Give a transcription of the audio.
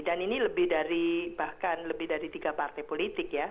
ini lebih dari bahkan lebih dari tiga partai politik ya